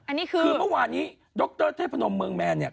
อันนี้คือคือเมื่อวานนี้ดรเทพนมเมืองแมนเนี่ย